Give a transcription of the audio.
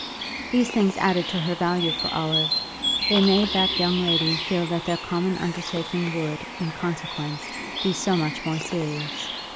These things added to her value for Olive; they made that young lady feel that their common undertaking would, in consequence, be so much more serious.